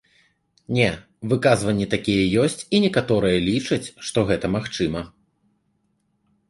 Не, выказванні такія ёсць і некаторыя лічаць, што гэта магчыма.